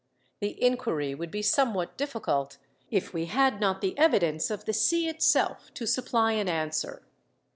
The inquiry would be somewhat difficult, if we had not the evidence of the sea itself to supply an answer.